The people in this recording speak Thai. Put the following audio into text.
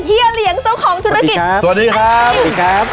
เฮีเหลียงเจ้าของธุรกิจครับสวัสดีครับสวัสดีครับ